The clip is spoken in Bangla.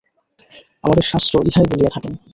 আমাদের শাস্ত্র ইহাই বলিয়া থাকেন।